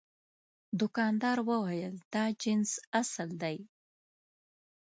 دوکاندار وویل دا جنس اصل دی.